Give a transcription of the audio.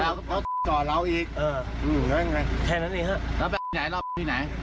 กำล้าเอาเก้าหรออีกแค่นั้นเองฮะไปหน่อยรอบที่ไหน